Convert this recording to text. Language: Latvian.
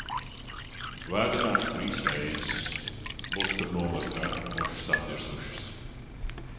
Vēdināšu trīs reizes. Lustru nomazgāju, mušas apdirsušas.